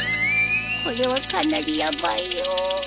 これはかなりヤバいよ